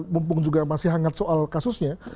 mumpung juga masih hangat soal kasusnya